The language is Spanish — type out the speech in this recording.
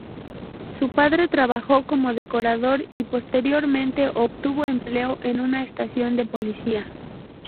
Su padre trabajó como decorador y posteriormente obtuvo empleo en una estación de policía.